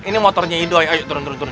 ini motornya idoi ayo turun turun turun